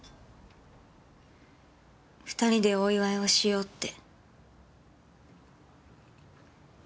２人でお祝いをしようって。